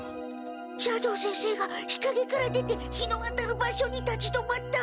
斜堂先生が日かげから出て日の当たる場所に立ち止まった。